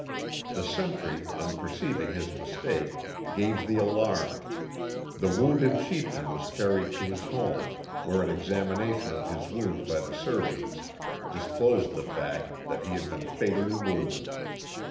The sentry, on perceiving his mistake, gave the alarm; the wounded chieftain was carried to his home, where an examination of his wound by the surgeons disclosed the fact that he had been fatally wounded.